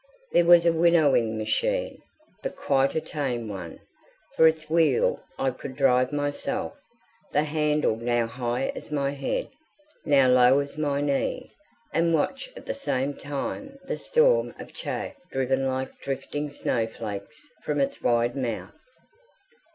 There was a winnowing machine, but quite a tame one, for its wheel I could drive myself the handle now high as my head, now low as my knee and watch at the same time the storm of chaff driven like drifting snowflakes from its wide mouth.